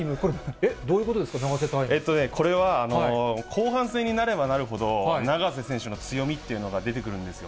えっとね、これは後半戦になればなるほど、永瀬選手の強みっていうのが出てくるんですよ。